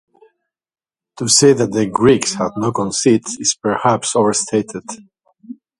To say that the Greeks had no conceits is perhaps overstated.